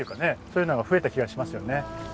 そういうのが増えた気がしますよね。